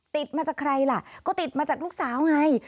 ติดมาจากใครล่ะก็ติดมาจากลูกสาวไง